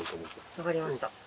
分かりました。